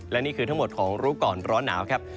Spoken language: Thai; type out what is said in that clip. และนี่คือทั้งหมดของรู้ก่อนร้อนหนาวครับ